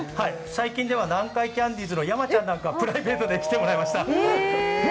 最近では南海キャンディーズの山ちゃんにプライベートで来てもらいました。